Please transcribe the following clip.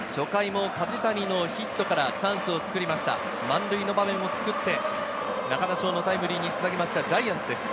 初回も梶谷のヒットからチャンスを作りました、満塁の場面も作って、中田翔のタイムリーにつなげました、ジャイアンツです。